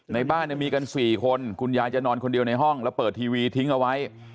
ในบ้านมีกัน๔คนคุณยายจะนอนคนเดียวในห้องแล้วเปิดทีวีทิ้งเอาไว้